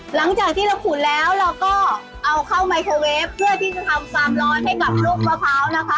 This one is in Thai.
หลังจากที่เราขุดแล้วเราก็เอาเข้าไมโครเวฟเพื่อที่จะทำความร้อนให้กับลูกมะพร้าวนะคะ